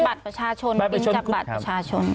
บัตรประชาชนกินจากบัตรประชาชน